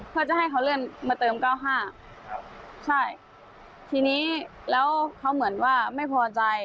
เพื่อจะให้เขาเลื่อนมาเติมเก้าห้าครับใช่ทีนี้แล้วเขาเหมือนว่าไม่พอใจ